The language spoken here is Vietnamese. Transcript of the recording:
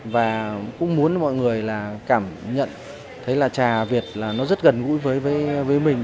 và cũng muốn mọi người là cảm nhận thấy là trà việt là nó rất gần gũi với mình